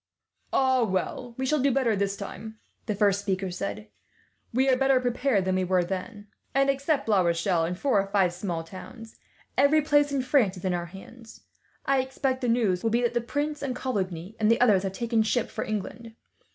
"Ah, well, we shall do better this time," the first speaker said. "We are better prepared than we were then and, except La Rochelle and four or five small towns, every place in France is in our hands. I expect the next news will be that the prince and Coligny, and the others, have taken ship for England.